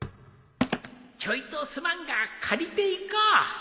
ちょいとすまんが借りていこう